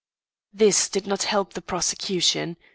This did not help the prosecution.